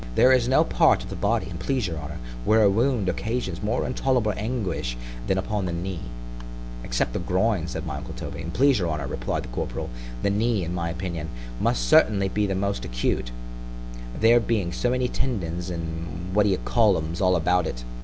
There is no part of the body, an' please your honour, where a wound occasions more intolerable anguish than upon the knee—— Except the groin; said my uncle Toby. An' please your honour, replied the corporal, the knee, in my opinion, must certainly be the most acute, there being so many tendons and what d'ye call 'ems all about it.